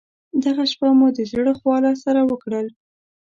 دغه شپه مو د زړه خواله سره وکړل.